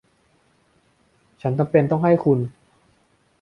ฉันจำเป็นต้องให้คุณ